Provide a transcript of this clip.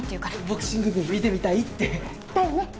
ボクシング部見てみたいって。だよね？